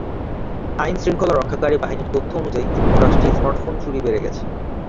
আইন শৃঙ্খলা রক্ষাকারি বাহিনির তথ্য অনুযায়ী, যুক্তরাষ্ট্রে স্মার্টফোন চুরি বেড়ে গেছে।